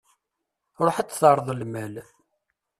Ruḥ ad d-terreḍ lmal.